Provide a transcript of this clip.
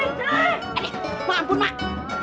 eh maaf pun mak